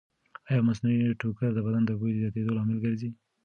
ایا مصنوعي ټوکر د بدن د بوی زیاتېدو لامل ګرځي؟